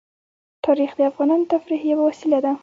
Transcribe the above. تاریخ د افغانانو د تفریح یوه وسیله ده.